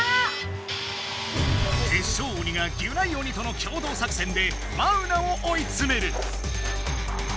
テッショウ鬼がギュナイ鬼との共同作戦でマウナをおいつめる。